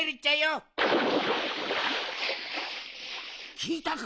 きいたか？